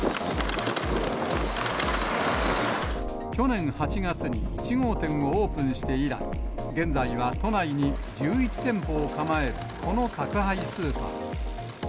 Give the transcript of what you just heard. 去年８月に１号店をオープンして以来、現在は都内に１１店舗を構えるこの宅配スーパー。